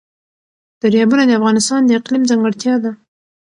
دریابونه د افغانستان د اقلیم ځانګړتیا ده.